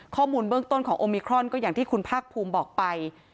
ข้อมูลเบื้องต้นของโอมิครอนก็อย่างที่คุณภาคภูมิบอกไป